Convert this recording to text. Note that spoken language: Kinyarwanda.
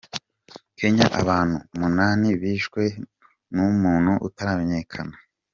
Kenya Abantu umunani bishwe n’umuntu utaramenyekana